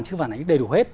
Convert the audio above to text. chứ phản ánh đầy đủ hết